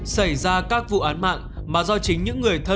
xảy ra các vụ án mạng mà do chính những người thân